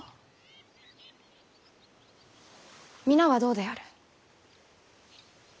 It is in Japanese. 皆はどうである？